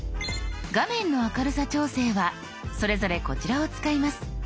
画面の明るさ調整はそれぞれこちらを使います。